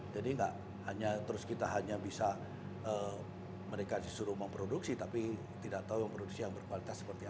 jadi nggak terus kita hanya bisa mereka disuruh memproduksi tapi tidak tahu produksi yang berkualitas seperti apa